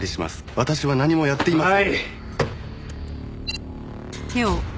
私は何もやっていません。